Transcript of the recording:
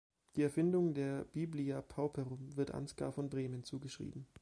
Die Erfindung der Biblia Pauperum wird Ansgar von Bremen zugeschrieben.